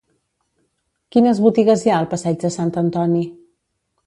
Quines botigues hi ha al passeig de Sant Antoni?